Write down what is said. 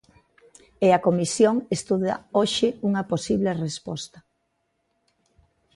E a Comisión estuda hoxe unha posible resposta.